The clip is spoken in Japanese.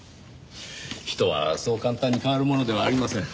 人はそう簡単に変わるものではありません。